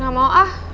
gak mau ah